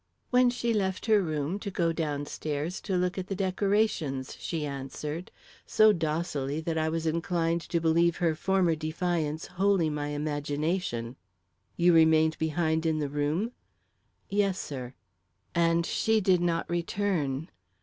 "When she left her room to go downstairs to look at the decorations," she answered, so docilely that I was inclined to believe her former defiance wholly my imagination. "You remained behind in the room?" "Yes, sir." "And she did not return?"